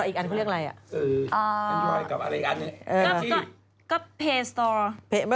อีกอันก็เรียกอะไร